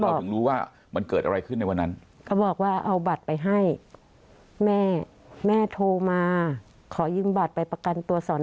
ถึงรู้ว่ามันเกิดอะไรขึ้นในวันนั้นเขาบอกว่าเอาบัตรไปให้แม่แม่โทรมาขอยืมบัตรไปประกันตัวสอน